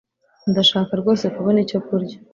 Ndashaka rwose kubona icyo kurya.